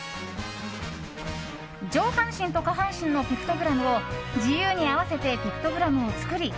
上半身と下半身のピクトグラムを自由に合わせてピクトグラムを作り